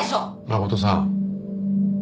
真琴さん